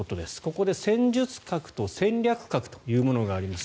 ここで、戦術核と戦略核というものがあります。